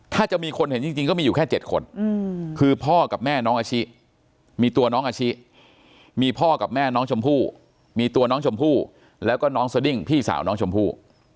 ถ้าจะมีคนเห็นจริงก็มีอยู่แค่๗คนคือพ่อกับแม่น้องอาชิมีตัวน้องอาชิมีพ่อกับแม่น้องชมพู่มีตัวน้องชมพู่แล้วก็น้องสดิ้งพี่สาวน้องชมพู่